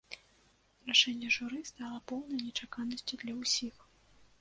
Рашэнне журы стала поўнай нечаканасцю для ўсіх.